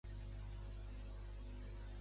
Dijous en Miquel i en Cai iran a Camporrobles.